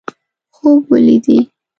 خوب ولیدي.